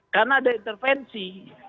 karena ada intervensi